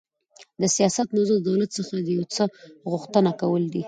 د سیاست موضوع د دولت څخه د یو څه غوښتنه کول دي.